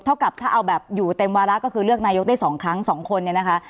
เท่ากับถ้าเอาแบบอยู่เต็มวาระก็คือเลือกนายกได้๒ครั้ง๒คนเนี่ยนะคะ